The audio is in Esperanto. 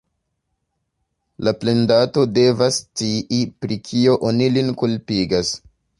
La plendato devas scii, pri kio oni lin kulpigas.